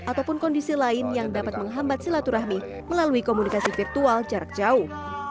ataupun kondisi lain yang dapat menghambat silaturahmi melalui komunikasi virtual jarak jauh